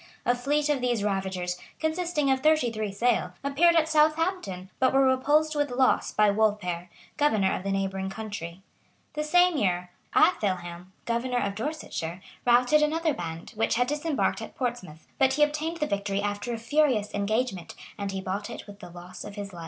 A fleet of these ravagers, consisting of thirty three sail, appeared at Southampton, but were repulsed with loss by Wolfhere, governor of the neighboring country.[] The same year, Æthelhelm, governor of Dorsetshire, routed another band, which had disembarked at Portsmouth; but he obtained the victory after a furious engagement, and he bought it with the loss of his life.